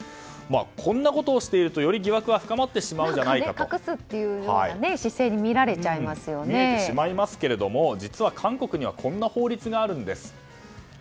こんなことをしているとより疑惑が深まってしまうんじゃ隠すというような姿勢に見えてしまいますが韓国にはこんな法律があるんです。